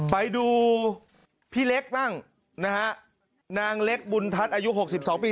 ไปดูพี่เล็กบ้างนะฮะนางเล็กบุญทัศน์อายุ๖๒ปี